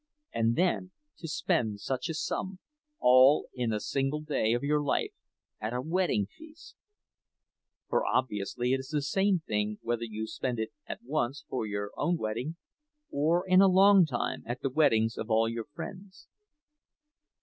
And then to spend such a sum, all in a single day of your life, at a wedding feast! (For obviously it is the same thing, whether you spend it at once for your own wedding, or in a long time, at the weddings of all your friends.)